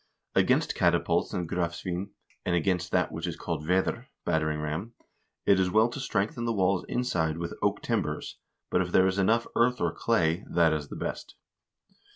Against catapults and grafsvin, and against that which is called vedr (battering ram) it is well to strengthen the walls inside with oak timbers, but if there is enough earth or clay, that is the best.